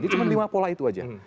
jadi cuma lima pola itu aja